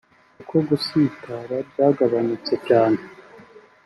kuko gusatira byagabanutse cyane